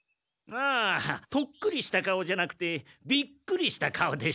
ああとっくりした顔じゃなくてビックリした顔でした。